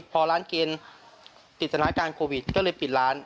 พอร้านเกมติดสถานการณ์โควิดก็เลยปิดร้าน